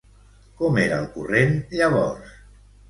Com era el corrent llavors?